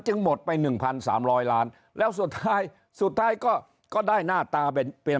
หมดไป๑๓๐๐ล้านแล้วสุดท้ายสุดท้ายก็ได้หน้าตาเป็นเป็น